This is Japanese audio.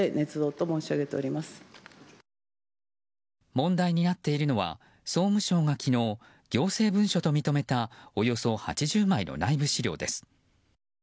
問題になっているのは総務省が昨日、行政文書と認めたおよそ８０枚の内部資料です。